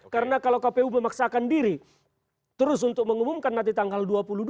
karena kalau kpu memaksakan diri terus untuk mengumumkan nanti tanggal dua puluh dua